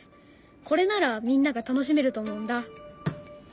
これならみんなが楽しめると思うんだ。